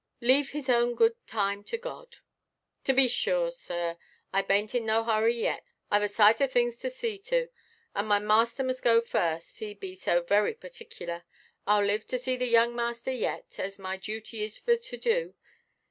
Leave His own good time to God." "To be sure, sir; I bainʼt in no hurry yet. Iʼve a sight of things to see to, and my master must go first, he be so very particular. Iʼll live to see the young master yet, as my duty is for to do.